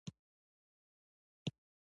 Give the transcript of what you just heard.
که خپل وطن ونه ساتو، څوک به یې وساتي؟